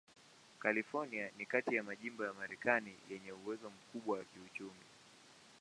California ni kati ya majimbo ya Marekani yenye uwezo mkubwa wa kiuchumi.